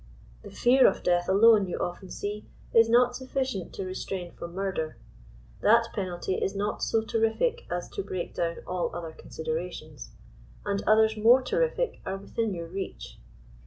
The fear of death alone, you often see, is not sufficient to restrain from murder. That penally is not "so terrific as to break down all other consider<ations," and others more terrific are within your reach.